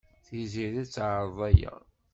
Tiziri ad teɛreḍ aya.